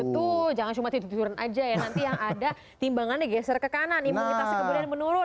betul jangan cuma tidur tiduran aja ya nanti yang ada timbangannya geser ke kanan imunitasnya kemudian menurun